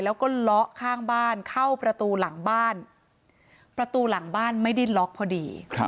แล้วก็เลาะข้างบ้านเข้าประตูหลังบ้านประตูหลังบ้านไม่ได้ล็อกพอดี